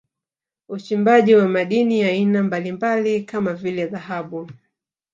Uchimbaji wa madini ya aina mbalimbali kama vile Dhahabu